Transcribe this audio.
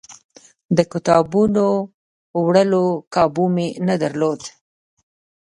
د کتابونو د وړلو کابو مې نه درلود.